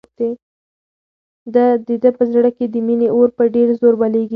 د ده په زړه کې د مینې اور په ډېر زور بلېږي.